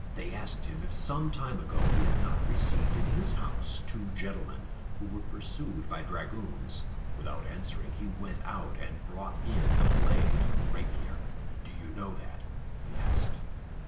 They asked him if some time ago he had not received in his house two gentlemen who were pursued by dragoons; without answering he went out and brought in the blade of a rapier. "Do you know that?" he asked.